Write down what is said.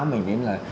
mình nghĩ là